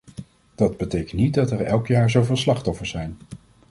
Dat betekent niet dat er elk jaar zoveel slachtoffers zijn.